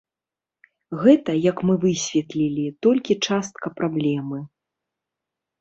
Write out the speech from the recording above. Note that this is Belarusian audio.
Гэта, як мы высветлілі, толькі частка праблемы.